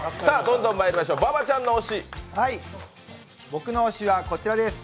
僕の推しはこちらです